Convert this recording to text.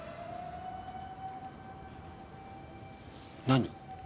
何？